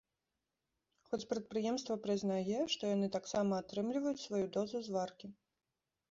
Хоць прадпрыемства прызнае, што яны таксама атрымліваюць сваю дозу зваркі.